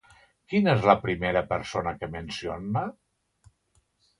Quina és la primera persona que menciona?